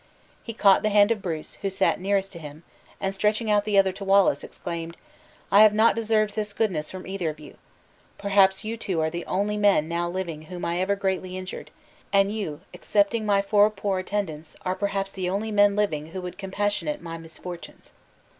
He caught the hand of Bruce, who sat nearest to him, and, stretching out the other to Wallace, exclaimed, "I have not deserved this goodness from either of you. Perhaps you two are the only men now living whom I ever greatly injured; and you, excepting my four poor attendants, are, perhaps, the only men living who would compassionate my misfortunes!"